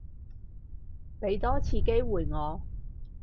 畀多次機會我